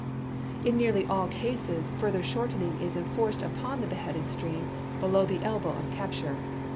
In nearly all cases further shortening is enforced upon the beheaded stream below the elbow of capture.